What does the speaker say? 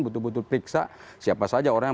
betul betul periksa siapa saja orang yang